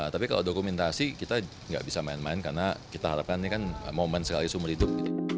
tapi kalau dokumentasi kita nggak bisa main main karena kita harapkan ini kan momen sekali seumur hidup